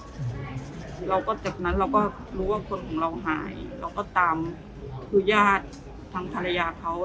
แล้วก็จากนั้นเราก็รู้ว่าคนของเราหายเราก็ตามคือญาติทางภรรยาเขา